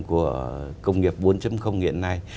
của công nghiệp bốn hiện nay